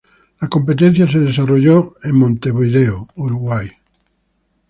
La competencia se desarrolló en Montevideo, Uruguay.